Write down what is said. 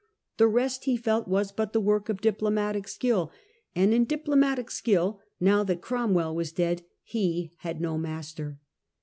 The rest he felt was but the work of diplomatic skill, and in diplomatic skill, now Death of that Cromwell was dead, he had no master.